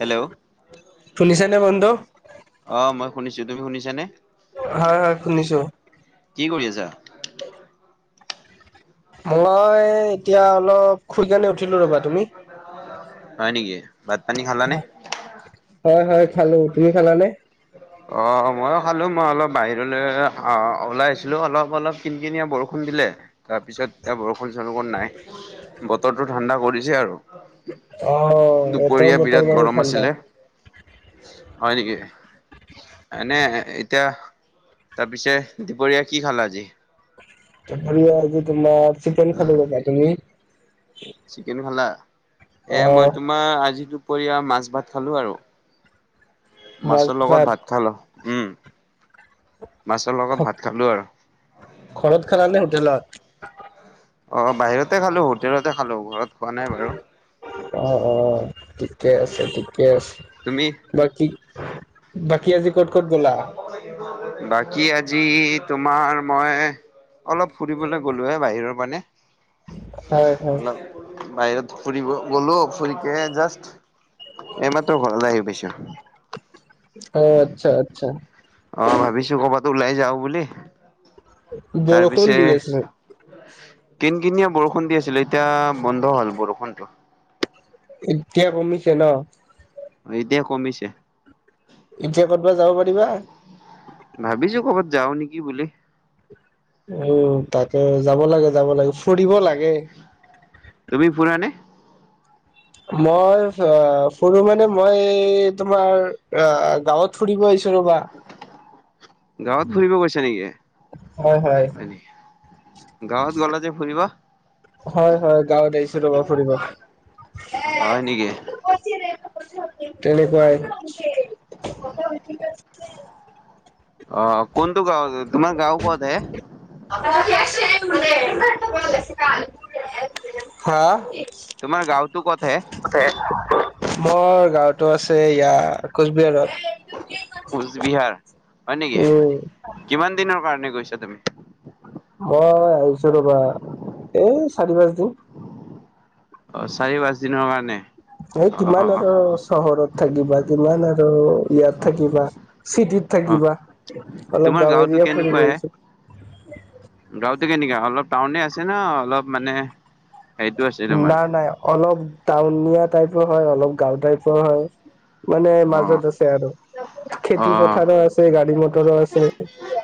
Hello শুনিছা নে বন্ধু অ মই শুনিছো তুমি শুনিছা নে হয় হয় শুনিছো কি কৰি আছা মই এতিয়া অলপ শুই কেনে উঠিলো ৰবা তুমি হয় নেকি ভাত পানী খালানে হয় হয় খালো তুমি খালানে অঁ ময়ো খালোঁ মই অলপ বাহিৰলৈ ওলাই আছিলোঁ অলপ অলপ কিন কিনিয়া বৰষুণ দিলে তাৰপিছত এতিয়া বৰষুণ চৰষুন নাই বতৰটো ঠাণ্ডা কৰিছে আৰু অ' এতিয়াও দুপৰীয়া বতৰ বিৰাট বাৰু গৰম ঠাণ্ডা। আছিলে হয় নেকি এনে এতিয়া তাৰ পিছে দুপৰীয়া কি খালা আজি হেৰি আজি তোমাৰ চিকেন খালো ৰবা তুমি চিকেন খালা এ মই অ' তোমাৰ আজি দুপৰীয়া মাছ ভাত খালো আৰু মাছৰ লগত ভাত খালো উম মাছৰ লগত ভাত খালো আৰু ঘৰত খালা নে হোটেলত অ বাহিৰতে খালো হোটেলতে খালো ঘৰত খোৱা নাই বাৰু অ অ ঠিকে আছে ঠিকে আছে তুমি বাকী বাকী আজি ক'ত ক'ত গ'লা বাকী আজি তোমাৰ মই অলপ ফুৰিবলৈ গ'লো হে বাহিৰত মানে হয় হয়। অলপ বাহিৰত ফুৰিব গ'লো ফুৰিকে জাষ্ট এ মই তোৰ ঘৰ লৈ আহি পাইছো অ আচ্ছা আচ্ছা অ ভাবিছো কৰ'বাত ওলাই যাও বুলি বৰষুণ তাৰপিছে দি আছে। কিন কিনিয়া বৰষুণ দি আছিলে এতিয়া বন্ধ হল বৰষুণটো এতিয়া কমিছে ন এতিয়া কমিছে এতিয়া কতবা যাব পাৰিবা ভাবিছো কৰ'বাত যাও নেকি বুলি উ তাকে যাব লাগে যাব লাগে ফুৰিব লাগে তুমি ফুৰানে মই ফৰু মানে মই তোমাৰ অ গাঁৱত ফুৰিব আহিছোঁ ৰ'বা গাঁৱত ফুৰিব গৈছে নেকি অ হয় গাঁৱত গলা যে ফুৰিব হয় হয় গাঁৱত আহিছো ৰবা ফুৰিব হয় নেকি তেনেকুৱাই অ কোনটো গাঁও তোমাৰ গাঁও ক'ত হে হা তোমাৰ গাঁৱতো ক'ত হে মোৰ গাঁওতো আছে ইয়া কোচবিহাৰত কোচ বিহাৰ হয় নেকি উম কিমান দিনৰ কাৰণে গৈছা তুমি মই আহিছো ৰবা এই চাৰি পাঁচ দিন অ চাৰি পাঁচ দিনৰ কাৰণে এই অ অ কিমান অ আৰু চহৰত থাকিবা কিমান আৰু ইয়াত থাকিবা চিটিত অ থাকিবা অলপ তোমাৰ গাঁও গাঁওটো এৰিয়া ফুৰিব আহিছো গাঁৱটো কেনেকা অলপ টাউনে আছে ন অলপ মানে সেইটো আছে তোমাৰ নাই নাই অলপ টাউনীয়া টাইপৰ হয় অলপ গাঁও টাইপৰ হয় মানে অ মাজত আছে আৰু অ খেতি পথাৰো আছে গাড়ী মটৰো আছে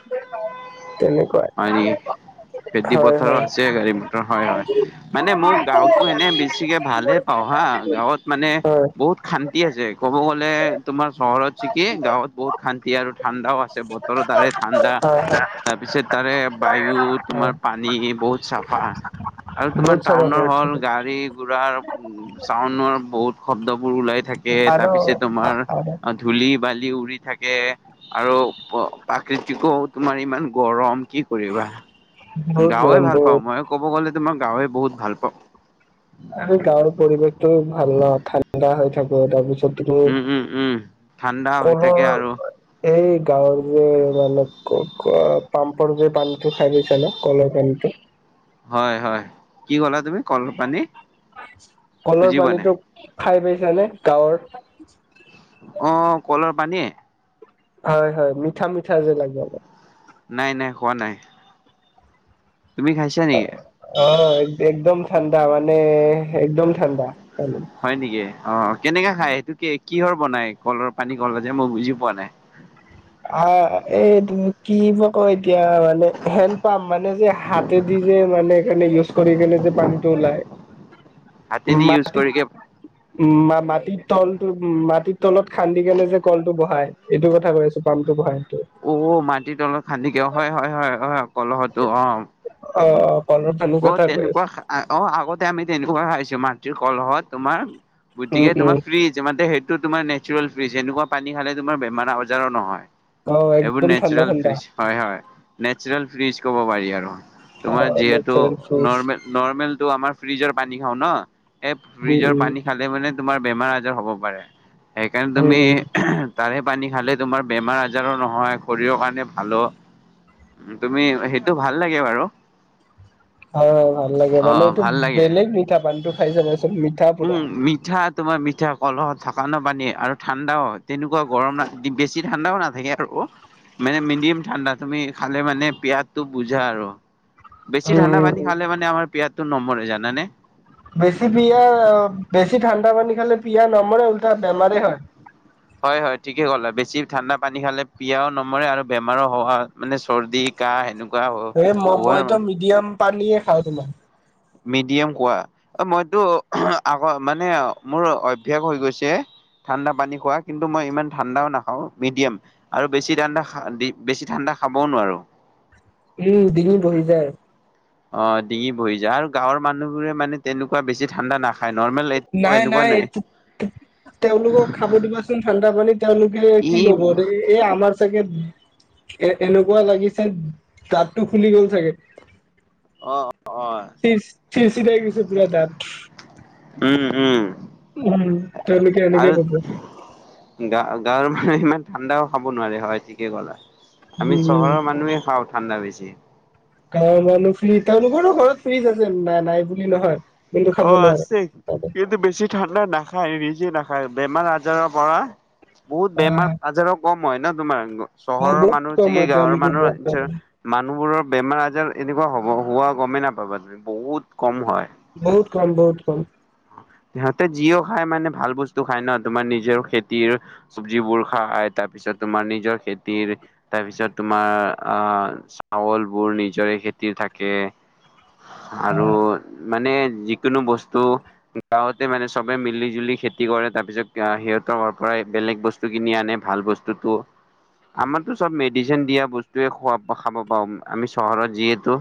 [inaudible] তেনেকে হয় নেকি খেতি পথাৰো হয়। হয়। আছে গাড়ী মটৰ হয় হয় মানে মোৰ গাওঁতো এনে বেছিকে ভালে পাওঁ হা গাঁৱত মানে বহুত শান্তি আছে ক'ব গ'লে তোমাৰ চহৰত থাকি গাঁৱত বহুত শান্তি আৰু ঠাণ্ডাও আছে বতৰ তাৰে ঠাণ্ডা হয় হয়। হয়। তাৰ পিছত তাৰে বায়ু তোমাৰ পানী বহুত চাফা আৰু তোমাৰ বহুত চাৰা টাউনৰ বহুত হল চাৰা গাড়ী গুৰাৰ উম চাউনৰ বহুত শব্দ বোৰ ওলাই থাকে তাৰ আৰু পিছে তোমাৰ আৰু ধূলি বালি উৰি থাকে আৰু প্ৰাকৃতিও তোমাৰ ইমান গৰম কি বহুত গাঁৱে গৰম ভাল পাওঁ বহুত মই ক'ব গ'লে তোমাৰ গাঁৱে বহুত ভাল পাওঁ গাঁৱৰ পৰিৱেশটো ভাল ন ঠাণ্ডা হৈ থাকে তাৰপিছত তুমি উম উম উম ঠাণ্ডা হৈ কলৰ থাকে আৰু এই গাঁৱৰ যে মানে পাম্পৰ যে পানীটো খাই পাইছা নে কলৰ পানীটো হয় হয় কি ক'লা তুমি কলৰ পানী কলৰ বুজি পোৱা নাই পানীতটো খাই পাইছানে গাঁৱৰ অ কলৰ পানীৰ হয়-হয়, মিঠা-মিঠা যে লাগে অলপ। নাই-নাই, খোৱা নাই। তুমি খাইছা [unintelligible] [unintelligible] অ একদম ঠাণ্ডা মানে, একদম ঠাণ্ডা পানী। হয় নেকি? অঁ কেনেকা খাই সেইটো, কি কিহৰ বনাই? কলৰ পানী কলা যে মই বুজি পোৱা নাই? [unintelligible] আহ এইটো কিবা কয় এতিয়া মানে হেণ্ড পাম্প মানে যে হাত [unintelligible] হাতে দি যে মানে [unintelligible] কাৰণে ইউজ কৰি কেনে যে পানীটো ওলাই। হাতেদি ইউজ মাটিত কৰিকে [unintelligible] উম [unintelligible] মাটিৰ তলটো উম মাটিৰ তলত খান্দি কেনে যে কলটো বহাই, এইটো কথা কৈ আছোঁ। পাম্পটো বহায় সেইটো। [unintelligible] অ মাটিৰ তলত খান্দি কে অ হয়-হয়-হয়-হয়। [unintelligible] কলহটো অঁ অ অ কলৰ পানীৰ [unintelligible] অ কথা কৈ তেনেকুৱা আছো অঁ আগতে আমি তেনেকুৱা খাইছো মাটিৰ কলহত। তোমাৰ উম গতিকে উম তোমাৰ ফ্ৰিজ মানে [unintelligible] ত তোমাৰ নেচাৰেল ফ্ৰিজ। এনেকুৱা পানী খালে তোমাৰ বেমাৰ-আজাৰো নহয়। [unintelligible] অ এইবোৰ একদম ঠাণ্ডা নেচাৰেল ঠাণ্ডা ফ্ৰিজ হয়-হয় নেচাৰেল ফ্ৰিজ কব পাৰি আৰু। [unintelligible] অ তোমাৰ যিহেতু নেচাৰেল ফ্ৰুটছ নৰ্মেল [unintelligible] নৰ্মেলটো আমাৰ ফ্ৰিজৰ পানী খাওঁ ন, এ উম ফ্ৰিজৰ উম পানী খাল [inaudible] খালে মানে তোমাৰ বেমাৰ-আজাৰ হ'ব পাৰে, সেইকাৰণে উম তুমি উম [unintelligible] তাৰে পানী খালে তোমাৰ বেমাৰ-আজাৰো নহয় [unintelligible] [unintelligible] হয় শৰীৰৰ কাৰণে ভালো, তুমি সেইটো ভাল লাগে বাৰু। [inaudible] হয়-হয় ভাল লাগে। অ মানে এইটো ভাল লাগে। বেলেগ মিঠা পানীটো খাই চাবা চোন? মিঠা উম, পুৰা। [inaudible] মিঠা [unintelligible] তোমাৰ মিঠা কলহ থকা ন পানী আৰু ঠাণ্ডাও তেনেকুৱা গৰম ন বেছি ঠাণ্ডাও নাথাকে আৰু [unintelligible] মানে মিডিয়াম ঠাণ্ডা, তুমি খালে মানে পিয়াহটো ভুজায় আৰু। বেছি উম ঠাণ্ডা উম পানী [unintelligible] উম খালে মানে আমাৰ পিয়াহতো নমৰে জানানে? [inaudible] বেছি পিয়াহ বেছি ঠাণ্ডা পানী খালে পিয়াহ নমৰে, উল্টা বেমাৰেই হয়। [unintelligible] হয়-হয় ঠিকে কলা আৰু বেছি ঠাণ্ডা পানী খালে পিয়াহও নমৰে আৰু বেমাৰো হোৱা মানে চৰ্দি, কাহ সেনেকা [unintelligible] সেনে কোৱা হোৱাৰ মানে [unintelligible] দিয়াম পানীয়ে খাওঁ তোমাৰ [unintelligible] মিডিয়াম খোৱা? [inaudible] অ মইতো [unintelligible] আগৰ মানে মোৰ অভ্যাস হৈ গৈছে ঠাণ্ডা পানী খোৱা কিন্তু মই ইমান ঠাণ্ডাও নাখাওঁ মিডিয়াম। [inaudible] আৰু বেছি ঠাণ্ডা খা [unintelligible] বেছি ঠাণ্ডা খাবও নোৱাৰোঁ। উম! ডিঙি বহি যায়। [inaudible] অঁ ডিঙি বহি যায় আৰু গাঁৱৰ মানুহবোৰে মানে তেনেকুৱা বেছি ঠাণ্ডা নাখায়। [unintelligible] এনেকুৱা নাই-নাই [unintelligible] নাই তেওঁলোকক খাব দিবাচোন ঠাণ্ডা পানী, তেওঁলোকে ই কি কব এই আমাৰ [unintelligible] চাগে [unintelligible] এ এনেকুৱা লাগিছে দাতটো খুলি গ'ল চাগে। [inaudible] অ অ অ [unintelligible] চিৰ-চিৰচিৰাই গৈছে পুৰা দাত। উম-উম। [inaudible] উম তেওঁলোকে এনেকে ক'ব। [inaudible] গা-গাঁৱৰ [unintelligible] মানুহে সিমান ঠাণ্ডাও খাব নোৱাৰে, হয় ঠিকে ক'লা আমি উম চহৰৰ মানুহে খাওঁ। [unintelligible] ঠাণ্ডা বেছি। [inaudible] গাঁৱৰ মানুহ ফ্ৰী তেওঁলোকৰো ঘৰত ফ্ৰীজ আছে নাই-নাই বুলি নহয়। [unintelligible] অ, নোৱাৰে আছে। সিহঁতে বেছি [unintelligible] ঠাণ্ডা নাখায়, ৰিজি নাখায়, বেমাৰ আজাৰৰ পৰা বহুত বেমাৰ আহ আজাৰো কম মই ন তোমাৰ চহৰৰ বহুত মানুহ কম ঠিকে হয় গাঁৱৰ তেওঁলোকৰ বহুত কম মানুহৰ মানুহবোৰৰ বেমাৰ-আজাৰ এনেকুৱা হব হোৱা গমেই নাপাবা তুমি, বহুত কম হয়। বহুত কম, বহুত কম। সিহঁতে যিও খাই মানে ভাল বস্তু খায় ন! তোমাৰ নিজৰ খেতিৰ চব্জিবোৰ খায়। তাৰপিছত তোমাৰ নিজৰ খেতিৰ তাৰ পিছত তোমাৰ আহ, চাউল বোৰ নিজৰে খেতিৰ থাক কে আৰু মানে যিকোনো বস্তু গাঁৱতে মানে চবে মিলি-জুলি খেতি কৰে, তাৰ পিছত সিহঁতৰ পৰাই বেলেগ বস্তু বস্তু কিনি আনে ভাল বস্তুটো। আমাৰতো চব মেডিচিন দিয়া বস্তুয়েই খোৱা খাব পাওঁ। আমি চহৰত যিহেতু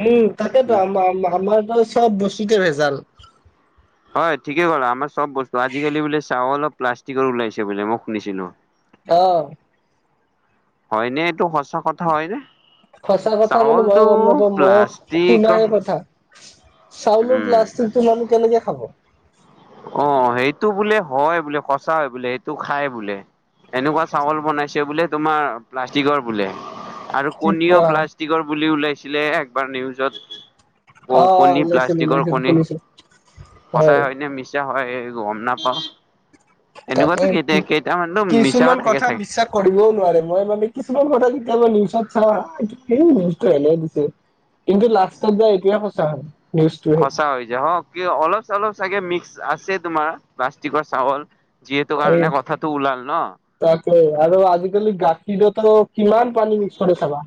উম! তাকেতো উম, আমাৰ আমাৰতো চব বস্তুতে ভেজাল। হয়, ঠিকে ক'লা-আমাৰ চব বস্তু আজিকালি বোলে চাউল অলপ প্লাষ্টিকৰ ওলাইছে বোলে মই শুনিছিলো। অ! হয়নে, এইটো সঁচা কথা হয় নে? সঁচা কথা মানে মইও গম নাপাওঁ, মইও প্লাষ্টিকৰ শুনাহে কথা। চাউলৰ, উম, প্লাষ্টিকটো মানুহ কেনেকে খাব? অ, সেইটো বোলে হয় বোলে সচা হয় বোলে সেইটো খাই বোলে এনেকুৱা চাউল বনাইছে বোলে, তোমাৰ প্লাষ্টিকৰ বোলে। আৰু কি কণীও কোৱা? প্লাষ্টিকৰ বুলি ওলাইছিলে একবাৰ নিউজত। বৌ, অ' কণী ওলাইছিল প্লাষ্টিকৰ ওলাইছিল কণী শুনিছো সঁচা হয়। হয়নে মি মিছা হয় গম নাপাওঁ, তাকে এনেকুৱাতো কেই কি কেইটামানতো মিছাও কিছুমান থাকে কথা চাগে। বিশ্বাস কৰিবও নোৱাৰে, মই মানে কিছুমান কথা কেতিয়াবা নিউজত চাও সেই নিউজটো এনে দিছে। কিন্তু লাষ্টত যায় এইটোয়ে সঁচা হয়। নিউজটোহে। সঁচা হৈ যায়, হ কিয় অলপ চলপ চাগে মিক্স আছে, তোমাৰ প্লাষ্টিকৰ চাউল। যিহেতু, এই কাৰণে কথাটো ওলাল ন! তাকে, আৰু আজিকালি গাখীৰতো কিমান পানী মিক্স কৰে চাবা।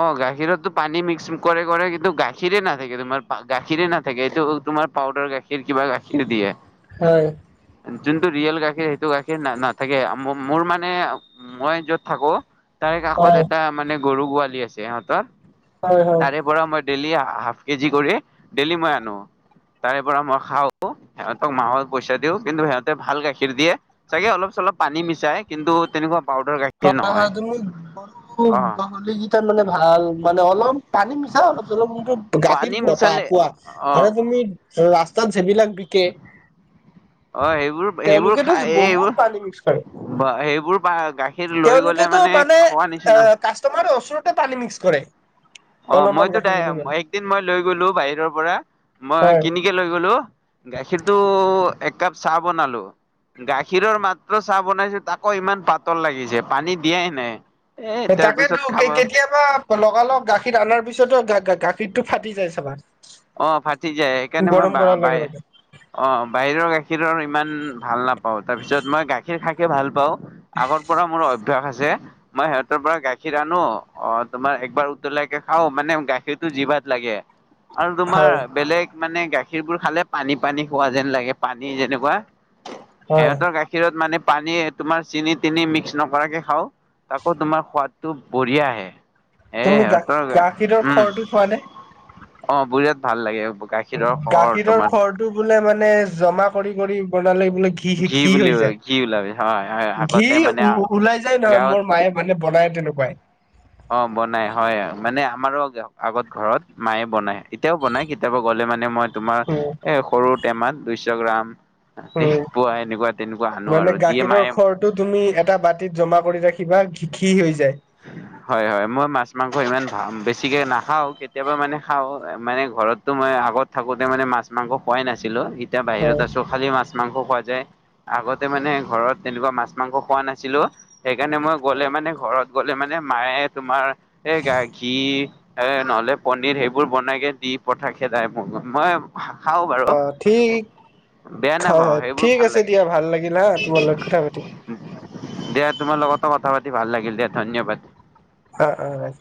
অ গাখীৰততো পানী মিক্স কৰে, কৰে কিন্তু গাখীৰে নাথাকে তোমাৰ গাখীৰে নাথাকে। এইটো তোমাৰ পাউদাৰ গাখীৰ, কিবা গাখীৰ দিয়ে। হয়! যোনটো ৰিয়েল গাখীৰ সেইটো গাখীৰ না নাথাকে। মোৰ মানে মই য'ত থাকোঁ, তাৰে কাষত হয় এটা মানে গৰু গোহালি আছে সিহঁতৰ। হয় হয়। তাৰে পৰা মই ডেইলী হাফ কেজি কৰি, ডেইেলী মই আনো। তাৰে পৰা মই খাওঁ, সিহতক মাহত পইচা দিওঁ কিন্তু সিহঁতে ভাল গাখীৰ দিয়ে, চাগে অলপ চলপ পানী মিচাই। কিন্তু তেনেকুৱা পাউদাৰ গাখীৰ হয় নহয় হয় তুমি গৰু অ গোহালি কেইটা মানে ভাল। মানে, অলপ পানী মিছা অলপ চলপ কিন্তু গাখীৰ পানী পোৱা, মিছালে পোৱা অ আৰু তুমি ৰাস্তাত যিবিলাক বিকে অ সেইবোৰ তেওলোকেতো, বহুত পানী মিক্স কৰে। বা, সেইবোৰ বা গা তেওলোকেতো মানে কাষ্টমাৰৰ ওচৰতে পানী মিক্স কৰে। অ' অলপমান মইতো গাখীৰ বুলি কলে একদিন মই লৈ গলো বাহিৰৰ পৰা। মই হয় কিনি লৈ গলো গাখীৰটো এক কাপ চাহ বনালো গাখীৰৰ মাত্ৰ চাহ বনাইছো, তাকো ইমান পাতল লাগিছে পানী দিয়াই নাই। এ তাৰ তাকেতো পিছত কে খাব কেতিয়াবা লগালগ গাখীৰ অনাৰ পিছতো গা-গাখীৰটো ফাটি যায় চাবা। অ', ফাটি যায় সেইকাৰণে মই গৰম কৰাৰ লগে বাই লগে অ', বাহিৰৰ গাখীৰৰ আৰু ইমান ভাল নাপাও তাৰপিছত মই গাখীৰ খাকে ভাল পাওঁ। আগৰ পৰা মোৰ অভ্যাস আছে মই সিহঁতৰ পৰা গাখীৰ অনো অ তোমাৰ একবাৰ উতলাইকে খাওঁ মানে গাখীৰটো জিভাত লাগে। আৰু তোমাৰ হয় বেলেগ মানে গাখীৰ বোৰ খালে পানী পানী খোৱা যেন লাগে পানী যেনেকুৱা হয় সিহতৰ গাখ গাখীৰত মানে পানী তোমাৰ চেনি তিনি মিক্স নকৰাকে খাওঁ। তাকৌ তোমাৰ সোৱাদটো বঢ়িয়া আহে। এ তুমি সিহঁতৰ গা-গাখীৰৰ উম, খৰটো খোৱা নে? অ', বিৰাট ভাল লাগে গাখীৰৰ শৰ তোমাৰ। টো বোলে মানে জমা কৰি কৰি বনালে বোলে ঘি ঘি বুলি হৈ ঘি ওলাবি হয় হয় যায় ঘি আগতে মানে ওলাই যায় নহয় গাঁৱত মোৰ মায়ে মানে বনাই তেনেকুৱাই। অ', বনাই হয় মানে আমাৰো আগত ঘৰত মায়ে বনায় এতিয়াও বনায় কেতিয়াবা গ'লে মানে মই তোমাৰ উম এ সৰু টেমাত দুইশ গ্ৰাম তে উম পোৱা এনেকুৱা তেনেকুৱা আনো আৰু যিয়ে মায়ে টো তুমি এটা বাতিত জমা কৰি ৰাখিবা ঘিহ হৈ যায়। [unintelligible] হয় হয় মই মাছ মাংস ইমান ভ বেছিকৈ নাখাওঁ কেতিয়াবা মানে খাওঁ মানে ঘৰতো মই আগত থাকোতে মানে মাছ মাংস খোৱাই নাছিলো এতিয়া বাহিৰত হয় আছো খালি মাছ মাংস খোৱা যায়। আগতে মানে ঘৰত তেনেকুৱা মাছ মাংস খোৱা নাছিলো সেইকাৰণে মই গলে মানে ঘৰত গ'লে মানে মায়ে তোমাৰ এই গা-ঘীৰ এ নহলে পনিৰ সেই বোৰ বনাইকে দি পঠায় খেদাই মোক মই খাওঁ বাৰু। অ', ঠিক বেয়া হয় নাপাওঁ হয় সেইবোৰ ঠিক ভাল আছে লাগে দিয়া ভাল লাগিল হা তোমাৰ লগত কথা পাতি। দিয়া তোমাৰ লগতো কথা পাতি ভাল লাগিল দিয়া ধন্যবাদ। অ', অ'।